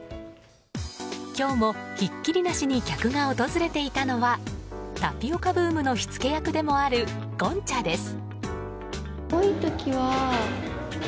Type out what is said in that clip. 今日もひっきりなしに客が訪れていたのはタピオカブームの火付け役でもあるゴンチャです。